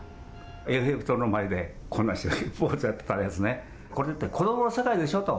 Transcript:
エッフェル塔の前でこんなんしてポーズやってたやつね、これって子どもの世界でしょと。